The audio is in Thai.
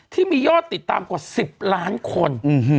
ที่มียอดติดตามกว่า๑๐ล้านคน